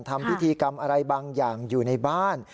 ทำพิธีกรรมอะไรบางอย่างอยู่ในบ้าน